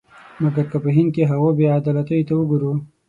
مګر که په هند کې هغو بې عدالتیو ته وګورو.